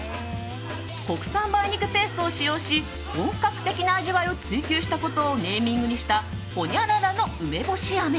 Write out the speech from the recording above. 国産梅肉ペーストを使用し本格的な味わいを追求したことをネーミングにしたほにゃららの梅干し飴。